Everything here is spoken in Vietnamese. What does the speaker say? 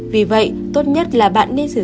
vì vậy tốt nhất là bạn nên giải quyết